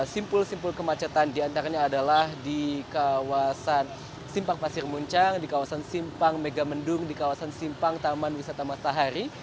simpul simpul kemacetan di antaranya adalah di kawasan simpang pasir muncang di kawasan simpang mega mendung di kawasan simpang taman wisata masa hari